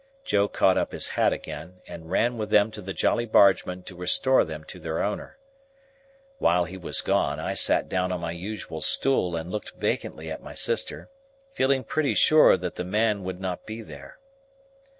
Joe caught up his hat again, and ran with them to the Jolly Bargemen to restore them to their owner. While he was gone, I sat down on my usual stool and looked vacantly at my sister, feeling pretty sure that the man would not be there.